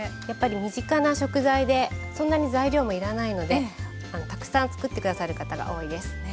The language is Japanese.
やっぱり身近な食材でそんなに材料もいらないのでたくさん作って下さる方が多いです。